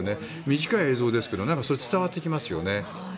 短い映像ですけど伝わってきますよね。